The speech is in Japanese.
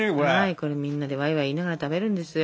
これみんなでワイワイ言いながら食べるんですよ。